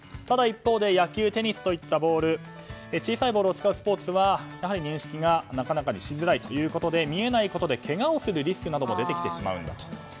ただ、一方で野球、テニスといったボール小さいボールを使うスポーツは認識がしづらいということで見えないことでけがするリスクも出てきてしまうんだと。